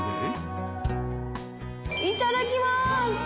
いただきます。